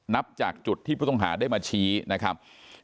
นับจากจุดที่ผู้ต้องหาได้มาชี้นะครับ